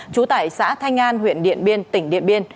trú tại xã thanh an huyện điện biên tỉnh điện biên